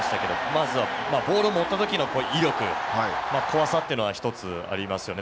まずボールを持った時の威力怖さはありますよね。